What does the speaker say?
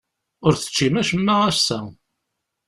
Ur teččim acemma ass-a.